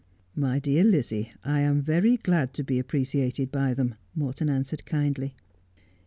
' My dear Lizzie, I am very glad to be appreciated by them,' Morton answered kindly.